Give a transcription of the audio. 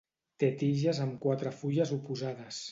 Té tiges amb quatre fulles oposades.